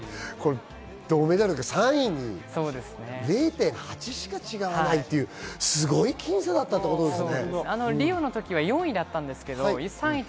銅メダルに０．８しか違わない、すごく僅差だったということですね。